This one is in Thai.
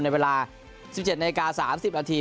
ในเวลา๑๗นาที๓๐นาที